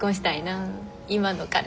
今の彼と。